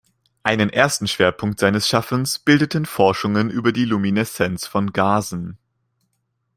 Einen ersten Schwerpunkt seines Schaffens bildeten Forschungen über die Lumineszenz von Gasen.